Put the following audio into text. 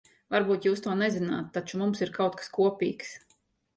Varbūt jūs to nezināt, taču mums ir kaut kas kopīgs.